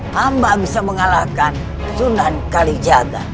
hamba bisa mengalahkan sunan kalijata